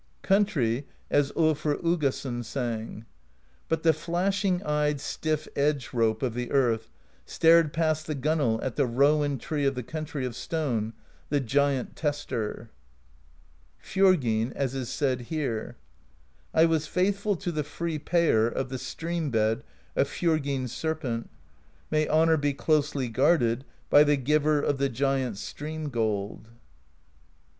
Country, as tJlfr Uggason sang: But the flashing eyed stifF Edge Rope Of the Earth stared past the gunwale At the Rowan Tree of the Country Of Stone, the Giant Tester.^ Fj6rgyn,'as is said here: I was faithful to the free Payer Of the stream bed of Fjorgyn's Serpent; May honor be closely guarded By the Giver of the Giant's Stream gold.